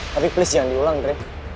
tapi please jangan diulang deh